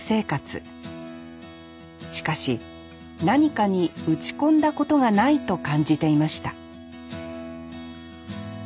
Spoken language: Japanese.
しかし何かに打ち込んだことがないと感じていました